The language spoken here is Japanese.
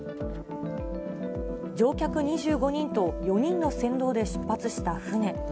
乗客２５人と４人の船頭で出発した船。